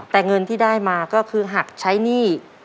แต่เงินที่ได้มาก็คือหักใช้หนี้